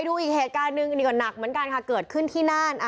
ดูอีกเหตุการณ์หนึ่งอันนี้ก็หนักเหมือนกันค่ะเกิดขึ้นที่น่าน